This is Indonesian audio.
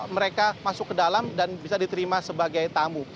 mereka masuk ke dalam dan bisa diterima sebagai tamu